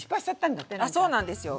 あそうなんですよ。